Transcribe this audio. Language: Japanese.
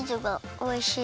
おいしい。